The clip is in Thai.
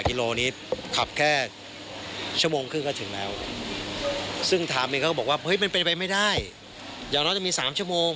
กิโลนี้ขับแค่ชั่วโมงครึ่งก็ถึงแล้วซึ่งถามเองเขาก็บอกว่าเฮ้ยมันเป็นไปไม่ได้อย่างน้อยจะมี๓ชั่วโมง